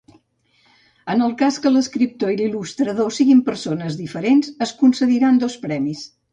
En el cas que l'escriptor i l'il·lustrador siguin persones diferents, es concediran dos premis.